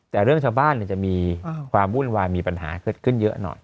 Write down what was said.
แต่เรื่องชาวบ้านจะมีความวุ่นวายมีปัญหาเกิดขึ้นเยอะหน่อย